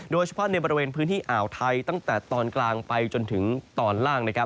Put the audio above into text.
โดยเฉพาะในบริเวณพื้นที่อ่าวไทยตั้งแต่ตอนกลางไปจนถึงตอนล่างนะครับ